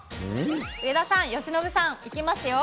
上田さん、由伸さん、いきますよ。